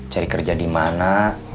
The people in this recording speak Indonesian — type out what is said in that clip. cari kerja dimana